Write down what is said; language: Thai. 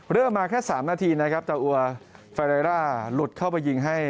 เริ่มมาแค่๓นาทีนะครับเจ้าอัวแฟเรร่าหลุดเข้าไปยิงให้